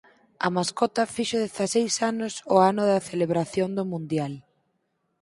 A mascota fixo dezaseis anos o ano da celebración do mundial.